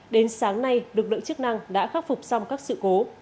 đến sáng nay lực lượng chức năng đã khắc phục xong các sự cố